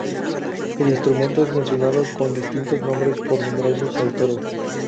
El instrumento es mencionado, con distintos nombres, por numerosos autores.